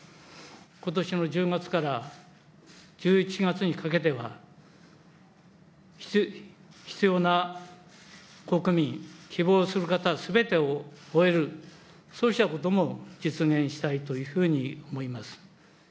ことしの１０月から１１月にかけては、必要な国民、希望する方すべてを終える、そうしたことも実現したいというふうに思います。